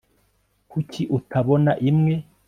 kuki utabona imwe